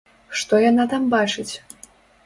Што яна там бачыць?